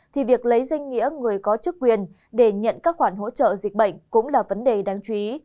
thì việc lấy danh nghĩa người có chức quyền để nhận các khoản hỗ trợ dịch bệnh cũng là vấn đề đáng chú ý